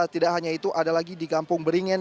tidak hanya itu ada lagi di gampung beringen